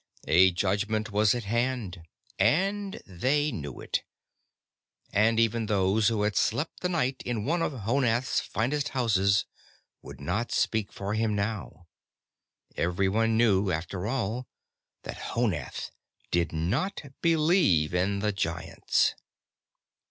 A Judgment was at hand, and they knew it and even those who had slept the night in one of Honath's finest houses would not speak for him now. Everyone knew, after all, that Honath did not believe in the Giants.